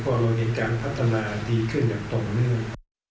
เพราะเราเห็นการพัฒนาดีขึ้นอย่างต่อเนื่อง